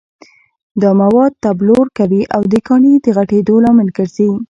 دا مواد تبلور کوي او د کاڼي د غټېدو لامل ګرځي.